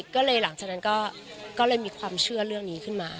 ก็เลยหลังจากนั้นก็เลยมีความเชื่อเรื่องนี้ขึ้นมา